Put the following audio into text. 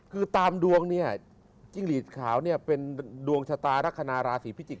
คือตามดวงจริงหลีดขาวเป็นดวงชะตารักษณะราศีพิจิกษ์